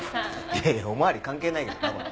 いやいやお巡り関係ないけどなこれ。